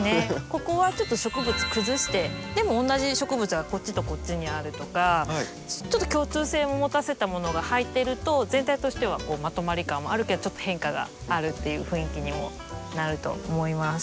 ここはちょっと植物崩してでも同じ植物がこっちとこっちにあるとかちょっと共通性も持たせたものが入ってると全体としてはまとまり感はあるけどちょっと変化があるっていう雰囲気にもなると思います。